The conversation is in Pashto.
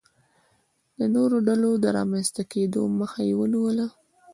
د نورو ډلو د رامنځته کېدو مخه یې ونیوله.